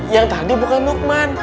yang tadi bukan lukman